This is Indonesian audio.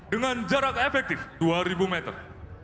dengan jarak efektif dua ribu meter